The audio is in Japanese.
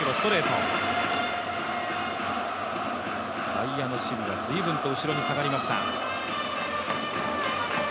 外野の守備が随分と後ろに下がりました。